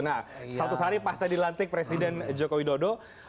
nah seratus hari pasca dilantik presiden jokowi dodo